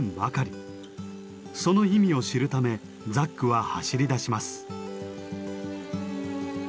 その意味を知るためザックは走りだします。